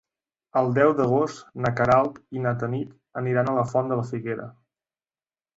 El deu d'agost na Queralt i na Tanit aniran a la Font de la Figuera.